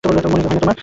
মনে হয় না তোমার?